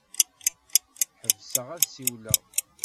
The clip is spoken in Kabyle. Ḥebseɣ ad ssiwleɣ.